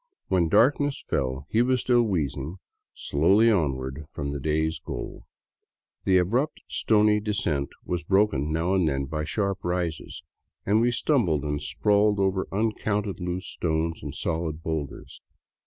When darkness fell, he was still wheezing slowly on ward far from the day's goal. The abrupt, stony descent was broken now and then by sharp rises, and we stumbled and sprawled orer uncounted loose stones and solid boulders.